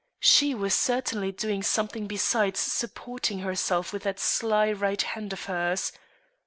She was certainly doing something besides supporting herself with that sly right hand of hers.